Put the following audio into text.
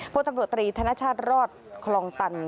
พลตำรวจตรีธนชาติรอดคลองตัน